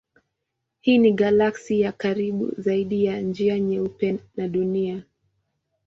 Hii ni galaksi ya karibu zaidi na Njia Nyeupe na Dunia.